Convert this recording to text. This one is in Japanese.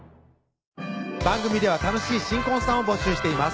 番組では楽しい新婚さんを募集しています